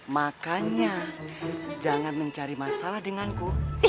makanya jangan mencari masalah denganku